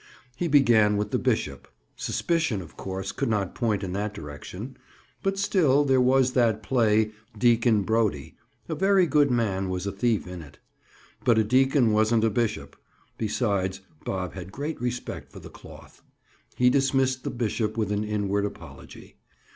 He began with the bishop. Suspicion, of course, could not point in that direction. Still, there was that play, Deacon Brodie—a very good man was a thief in it. But a deacon wasn't a bishop. Besides, Bob had great respect for the cloth. He dismissed the bishop with an inward apology.